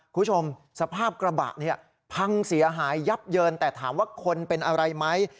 คุณผู้ชมสภาพกระบะเนี่ยพังเสียหายยับเยินแต่ถามว่าคนเป็นอะไรไหม